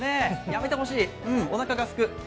やめてほしい、うん、おなかがすく。